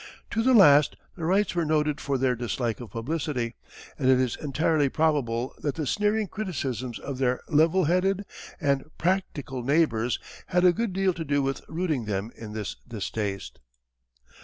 To the last the Wrights were noted for their dislike of publicity, and it is entirely probable that the sneering criticisms of their "level headed" and "practical" neighbours had a good deal to do with rooting them in this distaste.